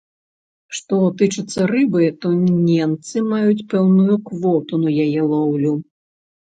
Што тычыцца рыбы, то ненцы маюць пэўную квоту на яе лоўлю.